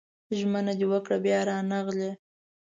ژمنه دې وکړه بيا رانغلې